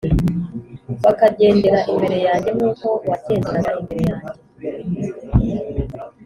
bakagendera imbere yanjye nk’uko wagenderaga imbere yanjye